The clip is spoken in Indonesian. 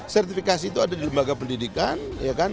sertifikasi itu ada di lembaga pendidikan